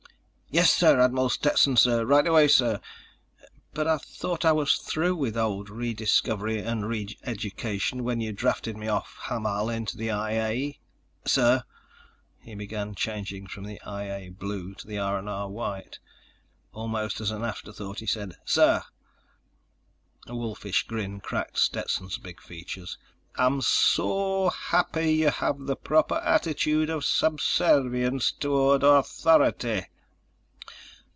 "Yes, sir, Admiral Stetson, sir. Right away, sir. But I thought I was through with old Rediscovery & Reeducation when you drafted me off of Hamal into the I A ... sir." He began changing from the I A blue to the R&R white. Almost as an afterthought, he said: "... Sir." A wolfish grin cracked Stetson's big features. "I'm soooooo happy you have the proper attitude of subservience toward authority."